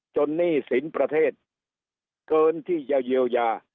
จนหนี้ศีลประเทศเกินที่เยียวยา